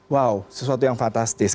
wow sesuatu yang fantastis